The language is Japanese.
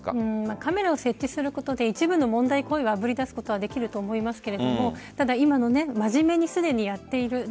カメラを設置することで一部の問題行為をあぶり出すことはできると思いますが今、真面目にすでにやっている。